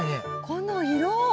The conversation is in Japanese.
この色！